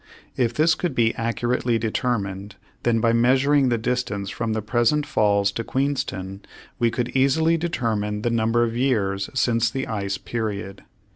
If this could be accurately determined, then by measuring the distance from the present falls to Queenstown, we could easily determine the number of years since the ice period.